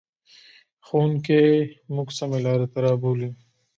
ښوونکی موږ سمې لارې ته رابولي.